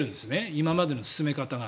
今までの進め方が。